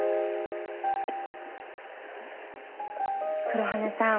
黒羽さん。